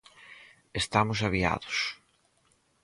Estamos aviados